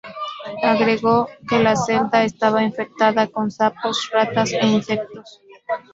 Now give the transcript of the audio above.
Agregó que la celda estaba infectada con sapos, ratas e insectos.